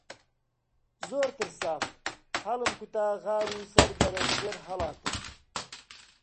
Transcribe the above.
زۆر ترسام، هەڵمکوتا غار و سەربەرەژێر هەڵاتم